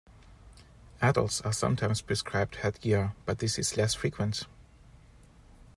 Adults are sometimes prescribed headgear but this is less frequent.